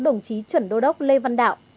đồng chí chuẩn đô đốc lê văn đạo